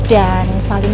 dan saling memperkenalkan